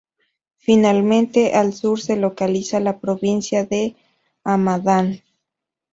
Finalmente, al sur se localiza la provincia de Hamadán.